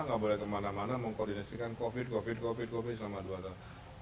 nggak boleh kemana mana mengkoordinasikan covid covid covid selama dua tahun